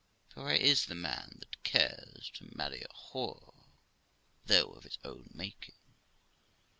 For where is the man that cares to marry a whore, though of his own making